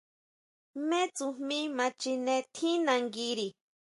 ¿Jmé tsujmí ma chine tjín nanguiri?